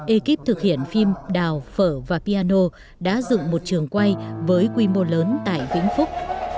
ekip thực hiện phim đào phở và piano đã dựng một trường quay với quy mô lớn tại vĩnh phúc